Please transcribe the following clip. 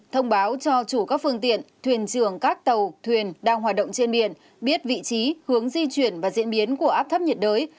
thông báo cho chủ các phương tiện thuyền trường các tàu thuyền đang hoạt động trên biển biết vị trí hướng di chuyển và diễn biến của áp thấp nhiệt đới